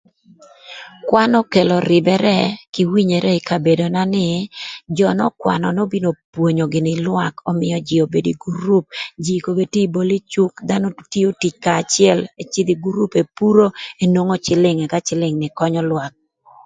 Kwan okelo rïbërë kï winyere ï kabedona nï jö n'ökwanö n'obino opwonyo gïnï lwak ömïö jïï obedo ï gurup jïï kobedini tye ï bol cup dhanö tio kanya acël ëcïdhö ï gurup epuro ëka enwongo cïlïng ëka cïlïng ni könyö lwak